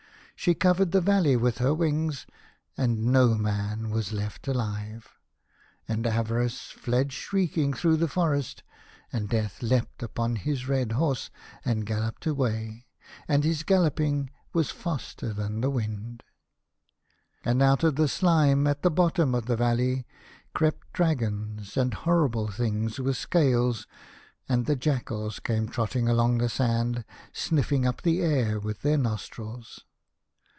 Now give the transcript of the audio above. She covered the valley with her wings, and no man was left alive. And Avarice fled shrieking through the forest, and Death leaped upon his red horse and galloped away, and his galloping was faster than the wind. And out of the slime at the bottom of the valley crept dragons and horrible things with scales, and the jackals came trotting along the sand, sniffing up the air with their nostrils.